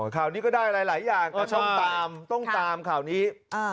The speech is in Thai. อ๋อข่าวนี้ก็ได้หลายอย่างแต่ต้องตามข่าวนี้